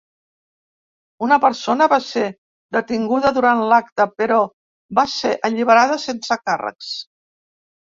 Una persona va ser detinguda durant l'acte però va ser alliberada sense càrrecs.